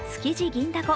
銀だこ